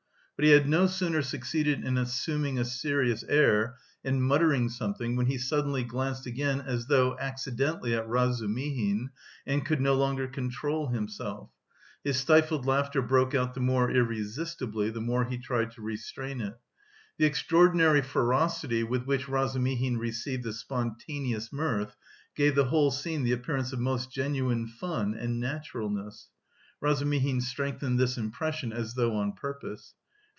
But he had no sooner succeeded in assuming a serious air and muttering something when he suddenly glanced again as though accidentally at Razumihin, and could no longer control himself: his stifled laughter broke out the more irresistibly the more he tried to restrain it. The extraordinary ferocity with which Razumihin received this "spontaneous" mirth gave the whole scene the appearance of most genuine fun and naturalness. Razumihin strengthened this impression as though on purpose.